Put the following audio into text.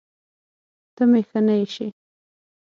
ته مې ښه نه ايسې